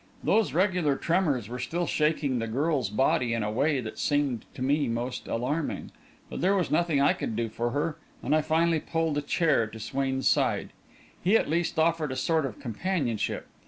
Those regular tremors were still shaking the girl's body in a way that seemed to me most alarming, but there was nothing I could do for her, and I finally pulled a chair to Swain's side. He, at least, offered a sort of companionship.